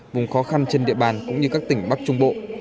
vùng khó khăn trên địa bàn cũng như các tỉnh bắc trung bộ